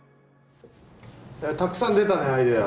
たくさん出たねアイデア。